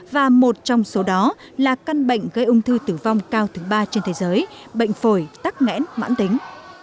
và một trong số đó là căn bệnh gây ung thư tử vong cao thứ ba trên thế giới bệnh phổi tắc nghẽn mãn tính